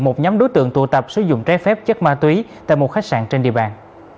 một nhóm đối tượng tụ tập sử dụng trái phép chất ma túy tại một khách sạn trên địa bàn